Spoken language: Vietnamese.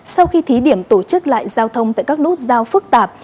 sau khi thí điểm tổ chức lại giao thông tại các nút giao phẩm